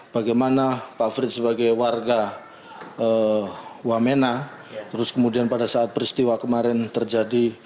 bagaimana pak frits sebagai warga wamena terus kemudian pada saat peristiwa kemarin terjadi